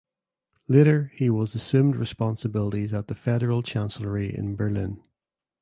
Later he was assumed responsibilities at the Federal Chancellery in Berlin.